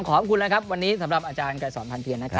ขอบคุณละครับวันนี้สำหรับอาจารย์ไก่สอนธัณฑ์เพียร